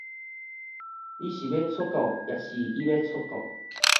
是你欲出國抑是伊欲出國？